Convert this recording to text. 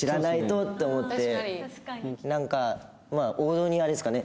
なんか王道にあれですかね？